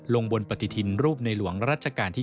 ลงบนปฏิทินรูปในหลวงรัชกาลที่๙